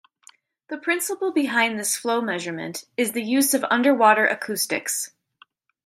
The principle behind this flow measurement is the use of underwater acoustics.